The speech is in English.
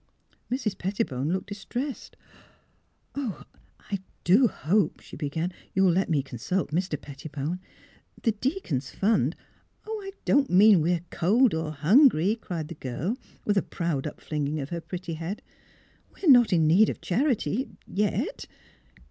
" Mrs. Pettibone looked distressed. I do hope," she began, " you'll let me consult Mr. Pettibone. The deacons' fund "Oh, I don't mean we are cold or hungry," cried the girl, with a proud upflinging of her THE DOOR AJAR 93 pretty head. " We're not in need of charity — yet."